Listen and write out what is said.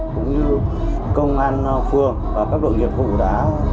cũng như công an phường và các đội nghiệp vụ đã